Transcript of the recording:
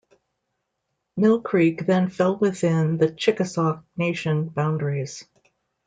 Mill Creek then fell within the Chickasaw Nation boundaries.